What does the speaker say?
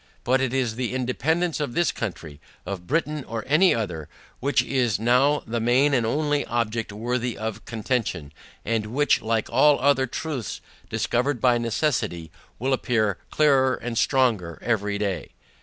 But it is the independance of this country of Britain or any other, which is now the main and only object worthy of contention, and which, like all other truths discovered by necessity, will appear clearer and stronger every day.